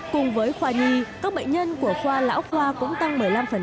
cùng với khoa nhi các bệnh nhân của khoa lão khoa cũng tăng một mươi năm